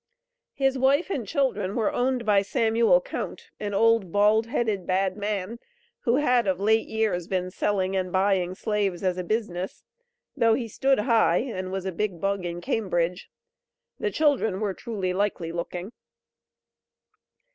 His wife and children were owned by "Samuel Count, an old, bald headed, bad man," who "had of late years been selling and buying slaves as a business," though he stood high and was a "big bug in Cambridge." The children were truly likely looking.